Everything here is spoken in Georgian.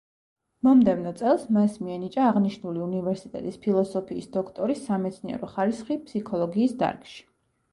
მომდევნო წელს მას მიენიჭა აღნიშნული უნივერსიტეტის ფილოსოფიის დოქტორის სამეცნიერო ხარისხი ფსიქოლოგიის დარგში.